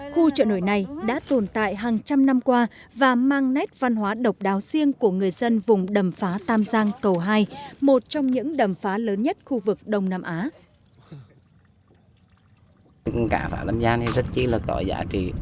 khu chợ nổi này đã tồn tại hàng trăm năm qua và mang nét văn hóa độc đáo riêng của người dân vùng đầm phá tam giang cầu hai một trong những đầm phá lớn nhất khu vực đông nam á